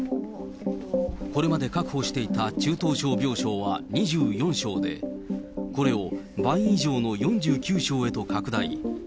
これまで確保していた中等症病床は２４床で、これを倍以上の４９床へと拡大。